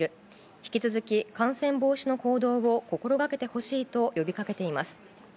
引き続き感染防止の行動を心がけてほしいと呼びかけています。